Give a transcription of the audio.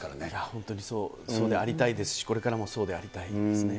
本当にそうでありたいですし、これからもそうでありたいですね。